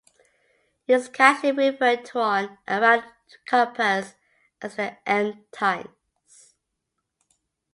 It is casually referred to on and around campus as The M-Times.